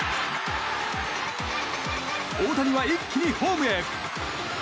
大谷は一気にホームへ。